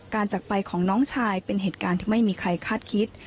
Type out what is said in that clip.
จากไปของน้องชายเป็นเหตุการณ์ที่ไม่มีใครคาดคิด